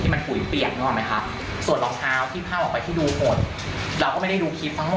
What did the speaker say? เราถึงมาทั้งทางแล้วเราก็พยายามเก็บทุกอย่าง